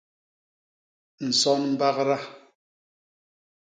Nson mbagda.